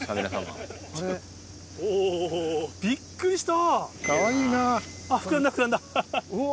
びっくりした！